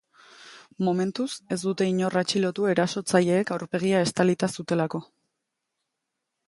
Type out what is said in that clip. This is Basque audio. Momentuz, ez dute inor atxilotu erasotzaileek aurpegia estalita zutelako.